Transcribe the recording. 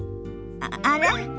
あら？